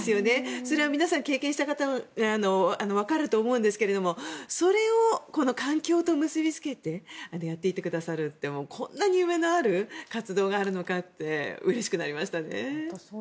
それは皆さん、経験したらわかると思いますがそれをこの環境と結びつけてやっていってくださるってこんなに夢のある活動があるのかってうれしくなりましたね。